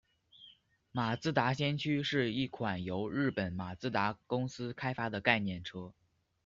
马自达先驱是一款由日本马自达公司开发的概念车。